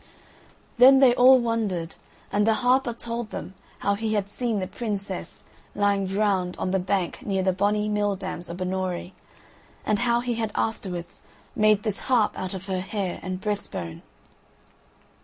Then they all wondered, and the harper told them how he had seen the princess lying drowned on the bank near the bonny mill dams o' Binnorie, and how he had afterwards made this harp out of her hair and breast bone.